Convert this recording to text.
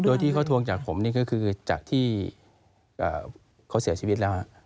โดยที่เขาทวงจากผมนี่ก็คือจากที่เขาเสียชีวิตแล้ว